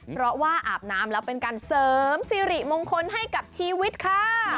เพราะว่าอาบน้ำแล้วเป็นการเสริมสิริมงคลให้กับชีวิตค่ะ